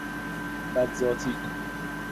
بد ذاتی